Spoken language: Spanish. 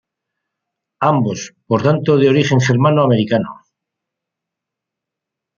Ambos, por tanto, de origen germano americano.